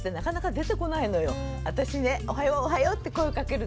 私ね「おはようおはよう」って声かけるでしょ。